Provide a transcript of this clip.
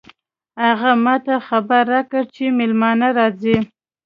هغې ما ته خبر راکړ چې مېلمانه راځي